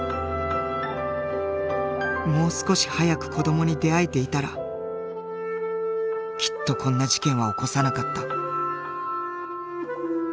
もう少し早く子どもに出会えていたらきっとこんな事件は起こさなかった。